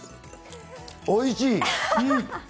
おいしい！